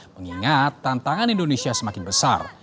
mengingat tantangan indonesia semakin besar